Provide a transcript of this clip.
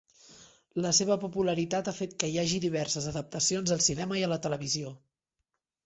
La seva popularitat ha fet que hi hagi diverses adaptacions al cinema i a la televisió.